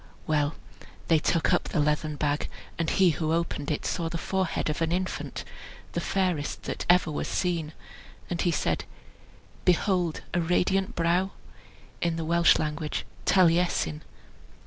Well! they took up the leathern bag, and he who opened it saw the forehead of an infant, the fairest that ever was seen; and he said, "Behold a radiant brow?" (In the Welsh language, taliesin.)